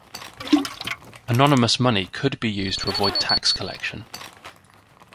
Anonymous money could be used to avoid tax collection.